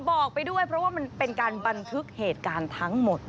บอกไปด้วยเพราะว่ามันเป็นการบันทึกเหตุการณ์ทั้งหมด